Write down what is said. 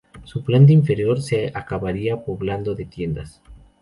Su planta inferior se acabaría poblando de tiendas.